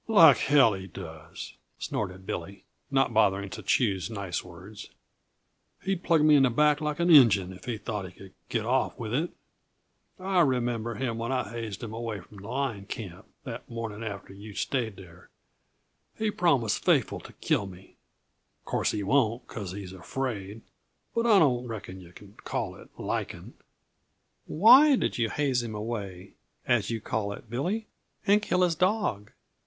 Like hell he does!" snorted Billy, not bothering to choose nice words. "He'd plug me in the back like an Injun if he thought he could get off with it. I remember him when I hazed him away from line camp, the morning after you stayed there, he promised faithful to kill me. Uh course, he won't, because he's afraid, but I don't reckon yuh can call it liking " "Why did you 'haze him away,' as you call it, Billy? And kill his dog?